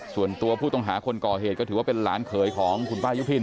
ส่วนตัวผู้ต้องหาคนก่อเหตุก็ถือว่าเป็นหลานเขยของคุณป้ายุพิน